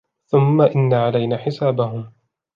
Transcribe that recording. ثُمَّ إِنَّ عَلَيْنَا حِسَابَهُمْ